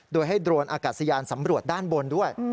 โดยให้โดรนอากาศยานสำรวจด้านบนด้วย